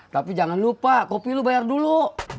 tapi jangan lupa kopi lu bayar dulu